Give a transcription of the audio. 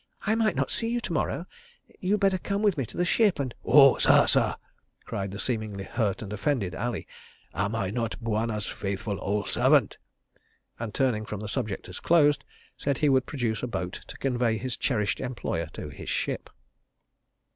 "I might not see you to morrow. You'd better come with me to the ship and—" "Oh, sah, sah!" cried the seemingly hurt and offended Ali, "am I not Bwana's faithful ole servant?" and turning from the subject as closed, said he would produce a boat to convey his cherished employer to his ship.